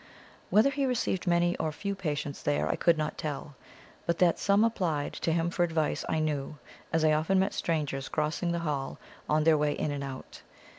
Whether he received many or few patients there I could not tell; but that some applied to him for advice I knew, as I often met strangers crossing the hall on their way in and out.